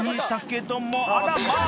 あらまあ。